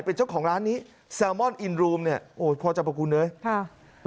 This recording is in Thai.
เป็นเจ้าของร้านนี้แซลมอนอินรูมเนี่ยโอ้ยพอจับประคุณเลยค่ะ